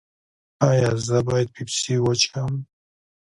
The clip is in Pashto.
ایا زه باید پیپسي وڅښم؟